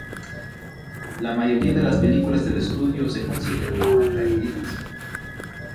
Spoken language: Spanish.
La mayoría de las películas del estudio se consideran ahora perdidas.